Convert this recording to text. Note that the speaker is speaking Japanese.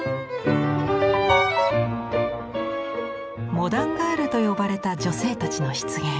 モダンガールと呼ばれた女性たちの出現。